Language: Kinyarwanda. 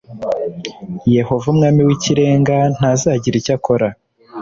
Yehova Umwami w Ikirenga ntazagira icyo akora